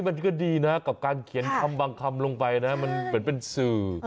มันก็ดีนะกับการเขียนคำบางคำลงไปนะมันเหมือนเป็นสื่อ